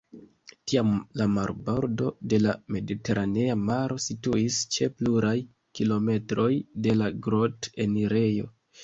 Tiam la marbordo de la Mediteranea maro situis je pluraj kilometroj de la grot-enirejo.